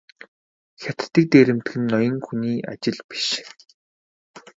Хятадыг дээрэмдэх нь ноён хүний ажил биш.